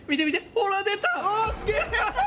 ほら、出た！